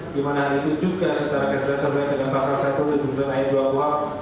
dimana hal itu juga secara keterangan dengan pasal satu di jurusan ayat dua buah